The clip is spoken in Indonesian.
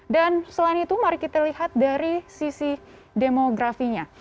dan selain itu mari kita lihat dari sisi demografinya